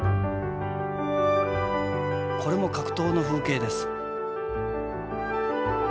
これも格闘の風景です。